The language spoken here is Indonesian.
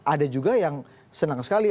ada juga yang senang sekali